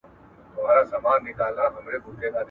انسان ته علمي برتري هم حاصله ده.